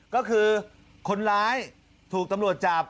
ก็คือคนร้ายถูกตำรวจจับ